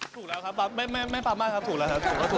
ถูกแล้วครับไม่ปั๊บมากครับถูกแล้วครับ